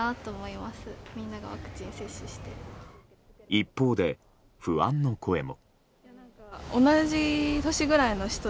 一方で、不安の声も。